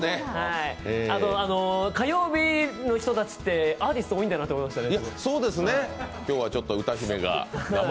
あと、火曜日の人たちってアーティストが多いんだなって思いましたね。